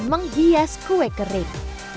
menghias kue kering